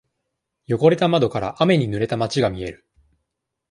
汚れた窓から、雨にぬれた街が見える。